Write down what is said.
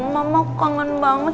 mama kangen banget